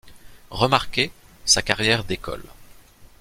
Remarquée, sa carrière décolle.